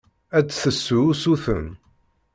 Ad d-tessu usuten.